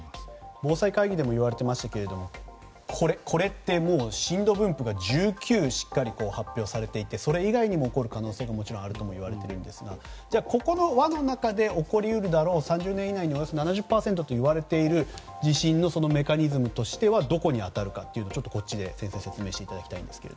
防災会議でもいわれていましたけどこれって震度分布がしっかり発表されていてそれ以外にも起こる可能性がもちろんあるといわれますがこの輪の中で起こり得るだろう３０年以内におよそ７０％といわれる地震のメカニズムとしてはどこに当たるか説明していただきたいです。